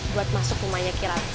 buat masuk rumahnya kiratus